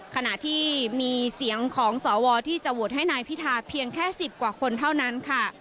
ขณะที่มีเสียงของสวที่จะโหวตให้นายพิธาเพียงแค่๑๐กว่าคนเท่านั้นค่ะ